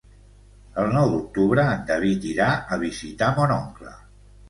El nou d'octubre en David irà a visitar mon oncle.